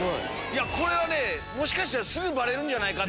これはもしかしたらすぐバレるんじゃないかって。